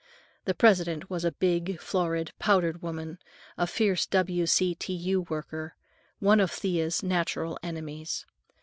The president was a big, florid, powdered woman, a fierce W.C.T.U. worker, one of Thea's natural enemies.